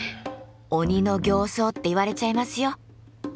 鬼の形相って言われちゃいますよ。